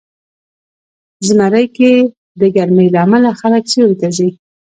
زمری کې د ګرمۍ له امله خلک سیوري ته ځي.